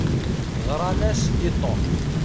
Ɣṛan-as i Tom.